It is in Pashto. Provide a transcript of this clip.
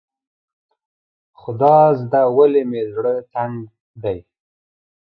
خدازده ولې مې زړه تنګ دی.